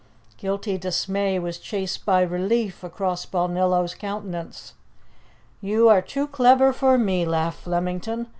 Guilty dismay was chased by relief across Balnillo's countenance. "You are too clever for me!" laughed Flemington.